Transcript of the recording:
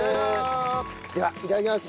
ではいただきます。